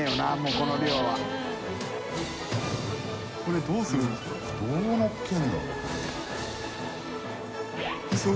これどうするんですか？